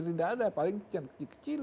di sini tidak ada paling kecil